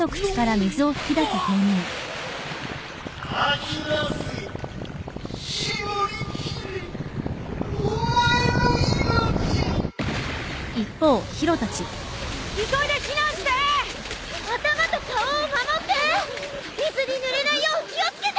水にぬれないよう気を付けて！